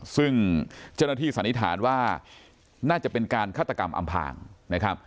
ซึ่งเจ้าหน้าที่สันนิษฐานว่าน่าจะเป็นการฆาตกรรมอำพางนะครับ